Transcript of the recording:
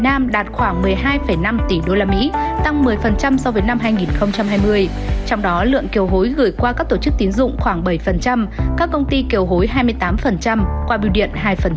năm hai nghìn hai mươi một lượng kiều hối gửi qua các tổ chức tiến dụng khoảng bảy các công ty kiều hối hai mươi tám qua biểu điện hai